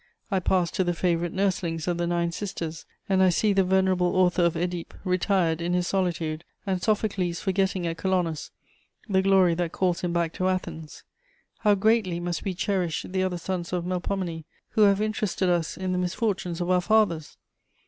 I pass to the favourite nurselings of the nine Sisters, and I see the venerable author of Œdipe retired in his solitude and Sophocles forgetting at Colonos the glory that calls him back to Athens. How greatly must we cherish the other sons of Melpomene who have interested us in the misfortunes of our fathers!